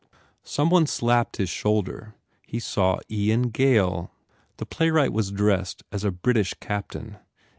Some one slapped his shoulder. He saw Ian Gail. The playwright was dressed as a British captain.